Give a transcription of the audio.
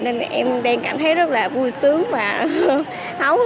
nên em đang cảm thấy rất là vui sướng và thấu